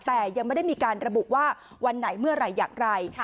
แต่ยังไม่ได้มีการระบุว่าวันไหนเมื่อไหร่อย่างไร